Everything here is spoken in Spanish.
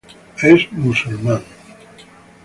Es musulmán.